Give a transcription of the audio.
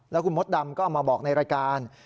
แล้วคุณมดดำก็เอามาบอกในรายการ